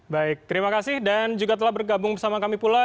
baik terima kasih dan juga telah bergabung bersama kami pula